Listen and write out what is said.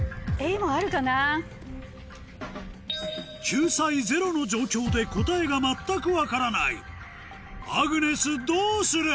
救済ゼロの状況で答えが全く分からないアグネスどうする？